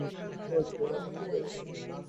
এটার একটাই মানে হতে পারে।